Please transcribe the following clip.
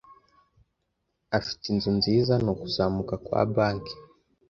Afite inzu nziza nukuzamuka kwa banki,